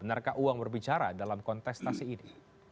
benarkah uang berbicara dalam kontestasi ini